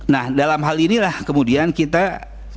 nah dalam hal inilah kemudian kita